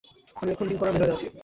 আমি এখন ডিল করার মেজাজে আছি।